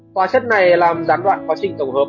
hóa chất này làm gián đoạn quá trình tổng hợp